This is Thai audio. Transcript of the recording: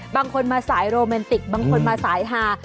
บางคนมาสายโรแมนติกบางคนมาสายฮา